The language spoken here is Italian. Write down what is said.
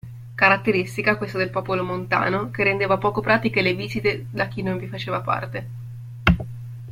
Caratteristica, questa del popolo montano, che rendeva poco pratiche le visite da chi non vi faceva parte.